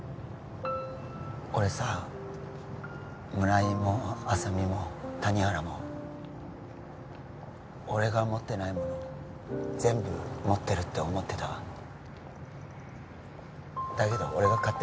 俺さ村井も浅見も谷原も俺が持ってないもの全部持ってるって思ってただけど俺が勝手に羨ましがってただけなんだよね